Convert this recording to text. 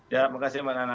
ya makasih bang nana